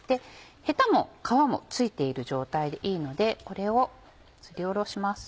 ヘタも皮も付いている状態でいいのでこれをすりおろします。